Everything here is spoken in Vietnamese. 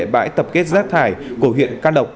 bãi tập kết rác thải của huyện can độc